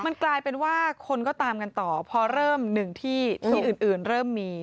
มันกลายเป็นว่าคนก็ตามกันต่อพอเริ่มหนึ่งที่ที่อื่นเริ่มมี